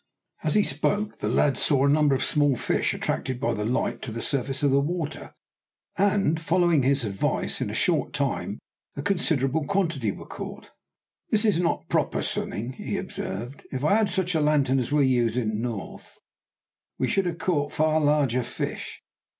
As he spoke, the lads saw a number of small fish attracted by the light to the surface of the water; and, following his advice, in a short time a considerable quantity were caught. "This is not proper sunning," he observed: "if I had had such a lantern as we use in the north, we should have caught far larger fish.